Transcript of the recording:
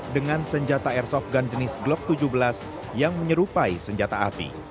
dengan senjata airsoft gun jenis glock tujuh belas yang menyerupai senjata api